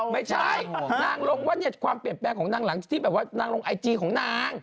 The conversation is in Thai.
ไม่ใช่นางลงว่าเนี่ยความเปลี่ยนแปลงของนางหลังจากที่แบบว่านางลงไอจีของนาง